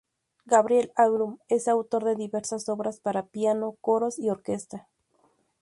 Gabriel Abreu es autor de diversas obras para piano, coros y orquesta.